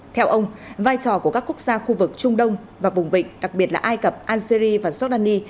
theo ông vai trò của các quốc gia khu vực trung đông và vùng vịnh đặc biệt là ai cập algeria và giordani